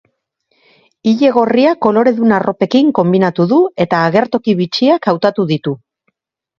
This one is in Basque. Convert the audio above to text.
Ile gorria koloredun arropekin konbinatu du eta agertoki bitxiak hautatu ditu.